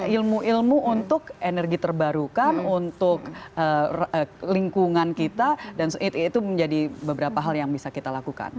ilmu ilmu untuk energi terbarukan untuk lingkungan kita dan itu menjadi beberapa hal yang bisa kita lakukan